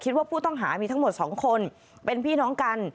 คิดว่าผู้ต้องหามีทั้งหมดสองคนเป็นพี่น้องกัน